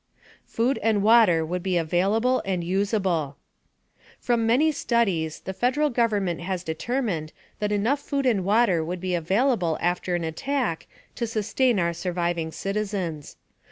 FOOD AND WATER WOULD BE AVAILABLE AND USABLE From many studies, the Federal Government has determined that enough food and water would be available after an attack to sustain our surviving citizens.